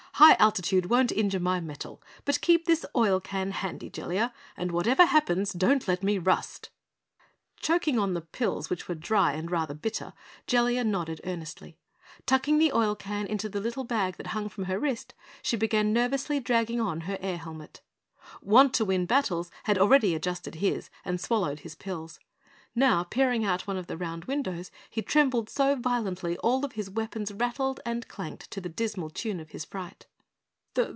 "High altitude won't injure my metal, but keep this oil can handy, Jellia, and whatever happens, don't let me rust!" Choking on the pills which were dry and rather bitter, Jellia nodded earnestly. Tucking the oil can into the little bag that hung from her wrist, she began nervously dragging on her air helmet. Wantowin Battles already had adjusted his, and swallowed his pills. Now, peering out one of the round windows, he trembled so violently all his weapons rattled and clanked to the dismal tune of his fright.